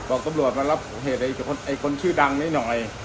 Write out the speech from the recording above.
บอกกำรวจมันลับเหตุแต่อีกคนชื่อดังหน่อยหน่อย